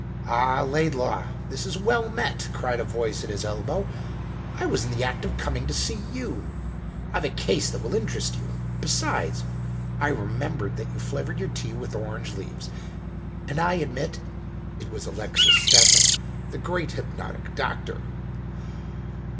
"Ah, Laidlaw, this is well met," cried a voice at his elbow; "I was in the act of coming to see you. I've a case that will interest you, and besides, I remembered that you flavoured your tea with orange leaves! and I admit " It was Alexis Stephen, the great hypnotic doctor.